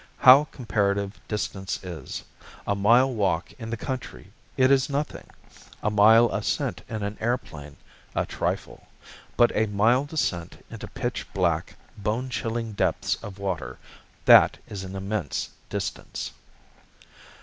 How comparative distance is! A mile walk in the country it is nothing. A mile ascent in an airplane a trifle. But a mile descent into pitch black, bone chilling depths of water that is an immense distance!